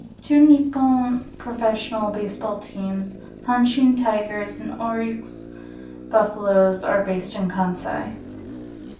Two Nippon Professional Baseball teams, Hanshin Tigers and Orix Buffaloes, are based in Kansai.